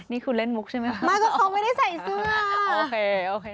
นี่คุณเล่นมุกใช่ไหมมาก็เขาไม่ได้ใส่เสื้อโอเคโอเค